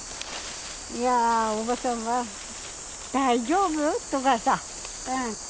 「おばさんは大丈夫？」とかさ。